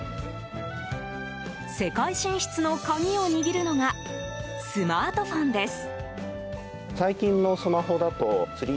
世界進出の鍵を握るのがスマートフォンです。